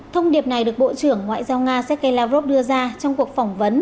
thông điệp này được bộ trưởng ngoại giao nga sergei lavrov đưa ra trong cuộc phỏng vấn